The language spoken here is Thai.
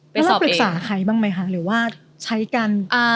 แล้วปรึกษาใครบ้างไหมคะ